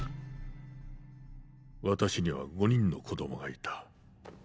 私には５人の子供がいた。